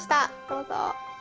どうぞ。